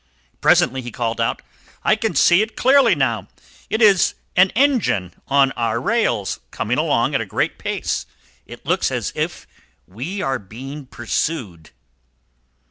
Presently he called out, "I can see it clearly now! It is an engine, on our rails, coming along at a great pace! It looks as if we were being pursued!"